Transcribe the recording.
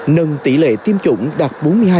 nâng tỷ lệ tiêm chủng đạt bốn mươi hai